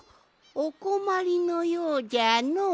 おこまりのようじゃのう。